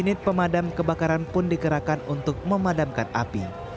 unit pemadam kebakaran pun dikerahkan untuk memadamkan api